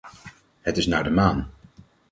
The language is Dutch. Het is naar de maan.